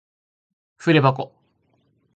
ふでばこ